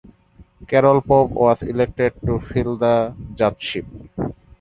Carol Pope was elected to fill the judgeship.